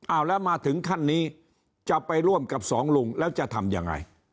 เอาแล้วมาถึงขั้นนี้จะไปร่วมกับสองลุงแล้วจะทำยังไง